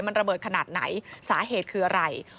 มันระเบิดขนาดไหนสาเหตุคืออะไร